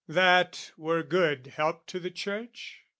That were good help to the Church?